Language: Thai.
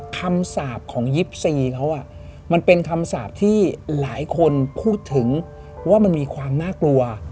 คำสาปของยิปซีเขามันเป็นคำสาปที่หลายคนพูดถึงว่ามันมีความน่ากลัว